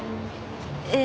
ええ。